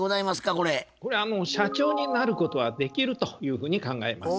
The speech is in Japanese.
これ社長になることはできるというふうに考えます。